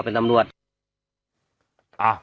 คุณผู้ชมไปดูอีกหนึ่งเรื่องนะคะครับ